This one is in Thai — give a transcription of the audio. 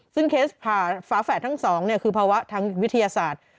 ซึ่งเคสผ่าฝาแฝดทั้งสองคือภาวะทางวิทยาศาสตร์